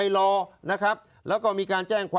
ตกลงค